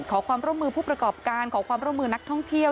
ขอความร่วมมือผู้ประกอบการขอความร่วมมือนักท่องเที่ยว